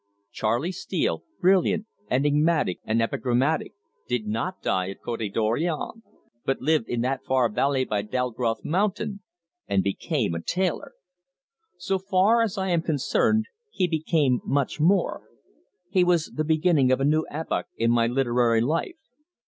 Charley Steele, brilliant, enigmatic and epigrammatic, did not die at the Cote Dorion, but lived in that far valley by Dalgrothe Mountain, and became a tailor! So far as I am concerned he became much more. He was the beginning of a new epoch in my literary life.